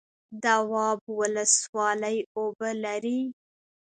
دواب ولسوالۍ اوبه لري؟